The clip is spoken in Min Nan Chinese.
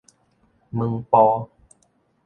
晚晡